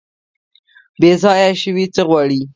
بیځایه شوي څه غواړي؟